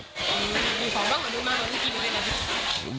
บอกว่า๖๐เลยนะครับ